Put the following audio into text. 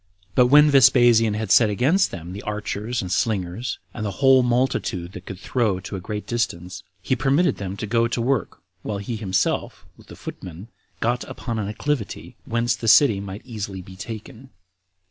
But when Vespasian had set against them the archers and slingers, and the whole multitude that could throw to a great distance, he permitted them to go to work, while he himself, with the footmen, got upon an acclivity, whence the city might easily be taken.